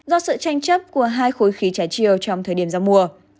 do sự tranh chấp của hai khối khí trái chiều trong thời điểm giao mùa